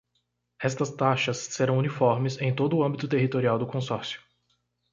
Estas taxas serão uniformes em todo o âmbito territorial do Consórcio.